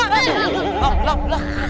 belah belah belah